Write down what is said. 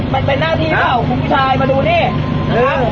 มันเป็นหน้าที่เปล่าคุณผู้ชายมาดูนี่นะฮะ